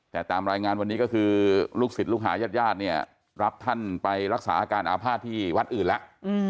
แต่ตามรายงานวันนี้ก็คือลูกศิษย์ลูกหายาดเนี่ยรับท่านไปรักษาอาการอาภาษณ์ที่วัดอื่นแล้ว